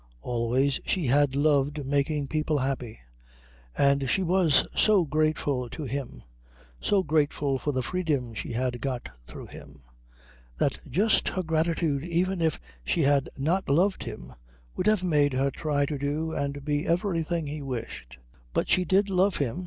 Always she had loved making people happy. And she was so grateful to him, so grateful for the freedom she had got through him, that just her gratitude even if she had not loved him would have made her try to do and be everything he wished. But she did love him.